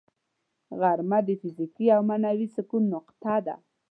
غرمه د فزیکي او معنوي سکون نقطه ده